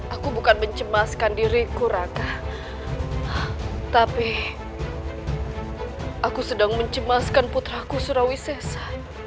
aku bukan mencemaskan diriku raka tapi aku sedang mencemaskan putraku surawisesa